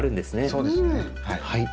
そうですねはい。